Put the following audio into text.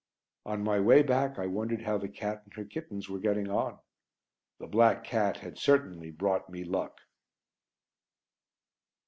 On my way back I wondered how the cat and her kittens were getting on. The black cat had certainly brought me luck.